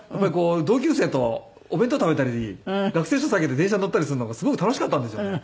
同級生とお弁当食べたり学生証提げて電車に乗ったりするのがすごく楽しかったんですよね。